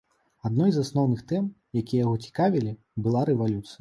Адной з асноўных тэм, якія яго цікавілі, была рэвалюцыя.